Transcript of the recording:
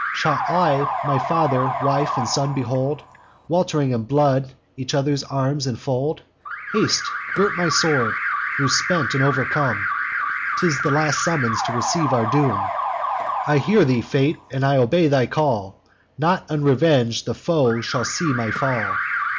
Shall I my father, wife, and son behold, Welt'ring in blood, each other's arms infold? Haste! gird my sword, tho' spent and overcome: 'Tis the last summons to receive our doom. I hear thee, Fate; and I obey thy call! Not unreveng'd the foe shall see my fall.